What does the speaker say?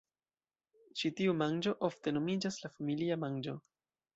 Ĉi tiu manĝo ofte nomiĝas la familia manĝo.